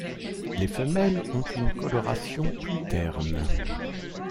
Les femelles ont une coloration plus terne.